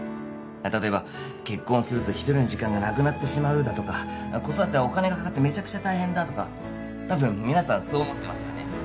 例えば結婚すると一人の時間がなくなってしまうだとか子育てはお金がかかってメチャクチャ大変だとかたぶん皆さんそう思ってますよね